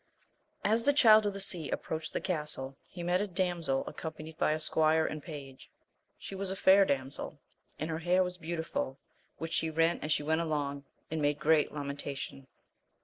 S the Child of the Sea approached the castle he met a damsel accompanied by a squire and page, she was a fair damsel, and her hair was beautiful which she rent as she went along, and made great lamentation.